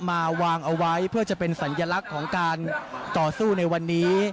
มาวางเอาไว้เพื่อจะเป็นสัญลักษณ์ของการต่อสู้ในวันนี้